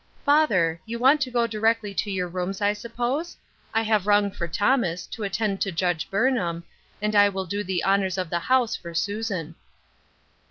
" Father, you want to go directly to your rooms, I suppose? I have rung for Thomas, to attend to Judge Burnham, and I will do the honors of the house for Susan."